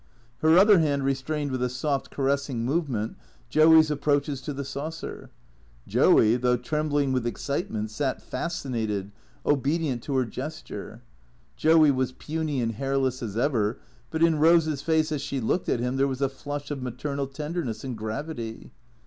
Her other hand restrained with a soft caressing movement Joey's approaches to the saucer. Joey, though trembling with excitement, sat fascinated, obedient to her gesture. Joey was puny and hairless as ever, but in Eose's face as she looked at him there was a flush of maternal tenderness and gravity.